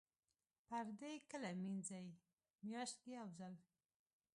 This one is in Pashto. پردې کله مینځئ؟ میاشت کې یوځل